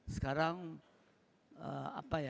sekarang apa ya